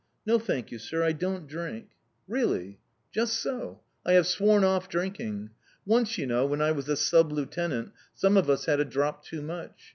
"No, thank you, sir; I don't drink." "Really?" "Just so. I have sworn off drinking. Once, you know, when I was a sub lieutenant, some of us had a drop too much.